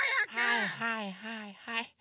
はいはいはいはい。